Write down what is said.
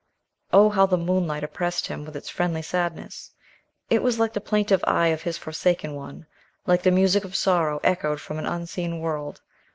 Oh, how the moonlight oppressed him with its friendly sadness! It was like the plaintive eye of his forsaken one, like the music of sorrow echoed from an unseen world.